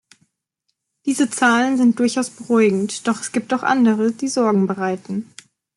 Diese Zahlen sind durchaus beruhigend, doch es gibt auch andere, die Sorgen bereiten.